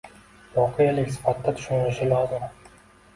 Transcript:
voqelik sifatida tushunilishi lozim.